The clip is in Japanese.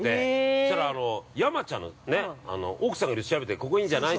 そうしたら山ちゃんのね奥さんがいろいろ調べて、ここいいんじゃない？